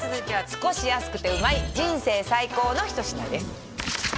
少し安くてうまい人生最高の一品です